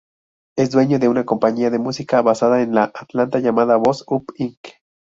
Es dueño de una compañía de música basada en Atlanta llamada Boss Up, Inc.